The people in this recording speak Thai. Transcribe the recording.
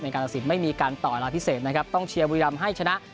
การตัดสินไม่มีการต่อเวลาพิเศษนะครับต้องเชียร์บุรีรำให้ชนะ